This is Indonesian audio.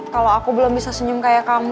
kalau aku belum bisa senyum kayak kamu